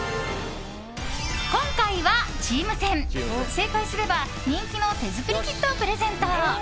今回はチーム戦！正解すれば人気の手作りキットをプレゼント。